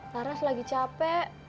laras lagi capek